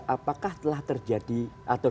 apakah telah terjadi atau